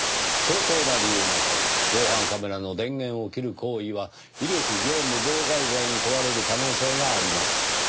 正当な理由なく防犯カメラの電源を切る行為は威力業務妨害罪に問われる可能性があります。